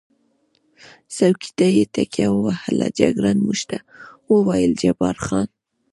څوکۍ ته یې تکیه ووهل، جګړن موږ ته وویل: جبار خان.